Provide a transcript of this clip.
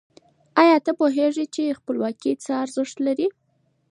آیا ته پوهېږي چې خپلواکي څه ارزښت لري؟